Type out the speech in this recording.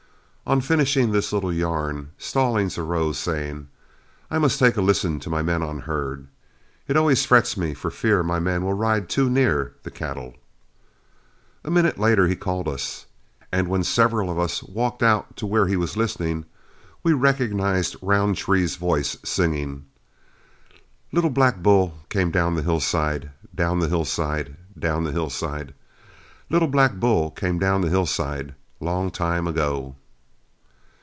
On finishing his little yarn, Stallings arose, saying, "I must take a listen to my men on herd. It always frets me for fear my men will ride too near the cattle." A minute later he called us, and when several of us walked out to where he was listening, we recognized Roundtree's voice, singing: "Little black bull came down the hillside, Down the hillside, down the hillside, Little black bull came down the hillside, Long time ago."